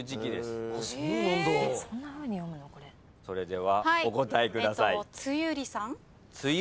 それではお答えください。